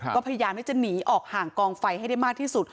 ก็พยายามที่จะหนีออกห่างกองไฟให้ได้มากที่สุด